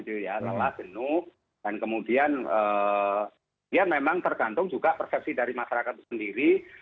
dan kemudian ya memang tergantung juga persepsi dari masyarakat sendiri